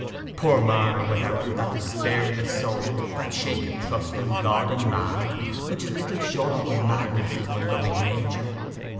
Poor Marner went out with that despair in his soul—that shaken trust in God and man, which is little short of madness to a loving nature.